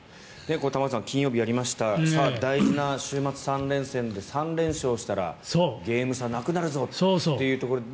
玉川さん、金曜日やりました大事な週末３連戦で３連勝したらゲーム差なくなるぞということで。